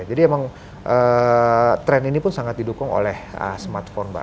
jadi emang tren ini pun sangat didukung oleh smartphone mbak